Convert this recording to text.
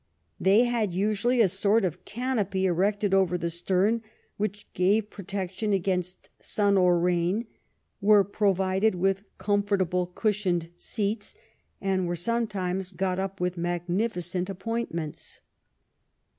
They had usually a sort of canopy erected over the stem which gave protection against sun or rain, were pro vided with comfortable, cushioned seats, and were some times got up with magnificent appointments.